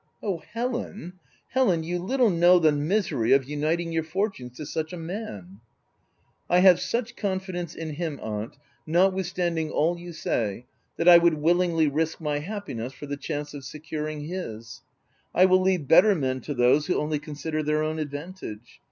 u Oh, Helen, Helen ! you little know the misery of uniting your fortunes to such a man !*" I have such confidence in him, aunt, not withstanding all you say, that I would willingly risk my happiness for the chance of securing his. I will leave better men to those who only consider their own advantage.